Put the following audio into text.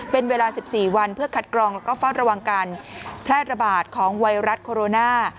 เป็นเวลา๑๔วันเพื่อคัดกรองแล้วก็เฝ้าระวังการแพร่ระบาดของไวรัสโคโรนา